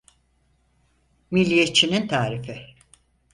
Milliyetçinin tarifi.